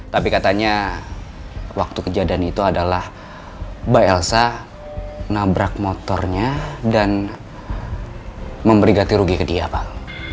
tapi katanya waktu kejadian itu adalah mbak elsa nabrak motornya dan memberi ganti rugi ke dia pak